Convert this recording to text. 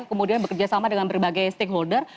kemudian bekerja sama dengan berbagai stakeholder